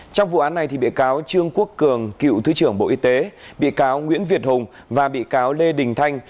trong vụ án này bị cáo trương quốc cường cựu thứ trưởng bộ y tế bị cáo nguyễn việt hùng và bị cáo lê đình thanh